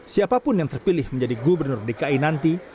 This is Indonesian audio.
siapapun yang terpilih menjadi gubernur dki nanti